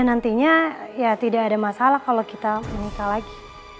dan nantinya ya tidak ada masalah kalau kita menikah lagi